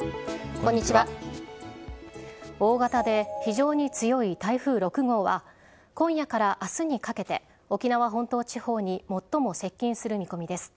こんにちは大型で非常に強い台風６号は、今夜からあすにかけて、沖縄本島地方に最も接近する見込みです。